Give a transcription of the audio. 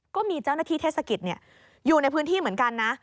ก็มีเจ้าหน้าที่เทศกิจอยู่ในพื้นที่เหมือนกันนะ